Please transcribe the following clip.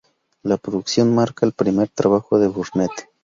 La producción marca el primer trabajo de Burnett.